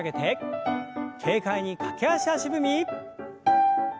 軽快に駆け足足踏み。